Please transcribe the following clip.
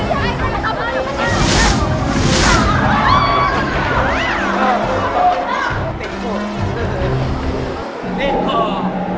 aduh aduh aduh